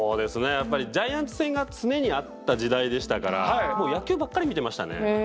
やっぱりジャイアンツ戦が常にあった時代でしたから野球ばっかり見てましたね。